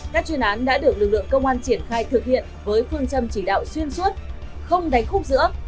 các chuyên án đã được lực lượng công an triển khai thực hiện với phương châm chỉ đạo xuyên suốt không đánh khúc giữa